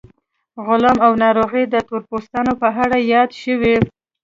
غلا او ناروغۍ د تور پوستانو په اړه یادې شوې.